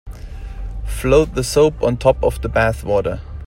Float the soap on top of the bath water.